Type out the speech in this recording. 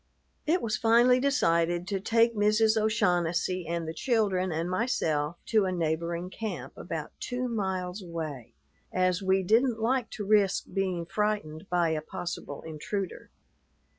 It was finally decided to take Mrs. O'Shaughnessy and the children and myself to a neighboring camp about two miles away, as we didn't like to risk being frightened by a possible intruder.